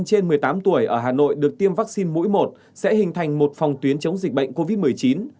việc một trăm linh người dân trên một mươi tám tuổi ở hà nội được tiêm vaccine mũi một sẽ hình thành một phòng tuyến chống dịch bệnh covid một mươi chín